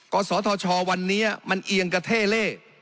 ศธชวันนี้มันเอียงกระเท่เล่